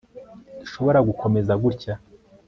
ntidushobora gukomeza gutya